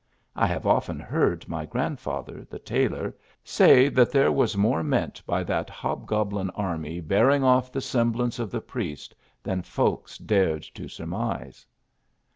I have often heard my grandfather, the tailor, say that there was more meant by that hobgoblin army bear ing off the resemblance of the priest, than folks dared to surmise."